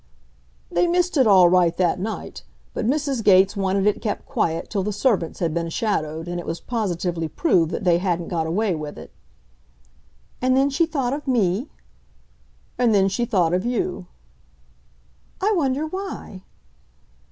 "They missed it all right that night, but Mrs. Gates wanted it kept quiet till the servants had been shadowed and it was positively proved that they hadn't got away with it." "And then she thought of me?" "And then she thought of you." "I wonder why?"